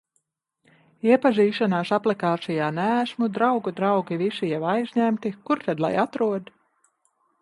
Iepazīšanās aplikācijā neesmu, draugu draugi visi jau aizņemti, kur tad lai atrod?